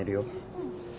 うん。